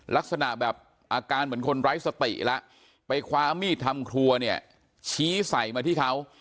ลักษณะแบบอาการเหมือนคนไร้สติแล้วไปคว้ามีดทำครัวเนี่ยชี้ใส่มาที่เขา